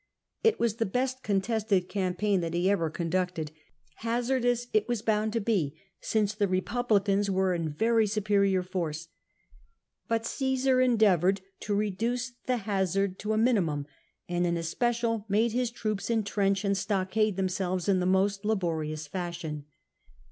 It was the best contested campaign that he ever conducted ; hazardous it was bound to be, since the Eepublicans were in very superior force, but Cmsar endeavoured to reduce the hazard to a minimum, and in especial made his troops entrench and stockade themselves in the most laborious fashion.